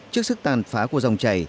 trước sức tàn phá của dòng chảy